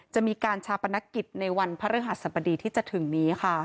จะมีการชาปนกิจในวันพระฤหัสบดีที่จะถึงนี้ค่ะ